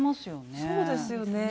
そうですよね。